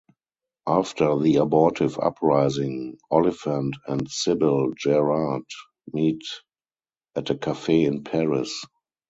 After the abortive uprising, Oliphant and Sybil Gerard meet at a cafe in Paris.